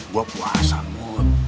gue puasa mut